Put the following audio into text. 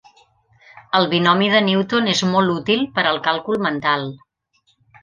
El Binomi de Newton és molt útil per al càlcul mental.